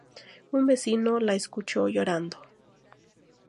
Un vecino la escuchó llorando.